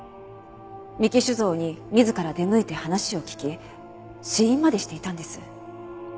三木酒造に自ら出向いて話を聞き試飲までしていたんです。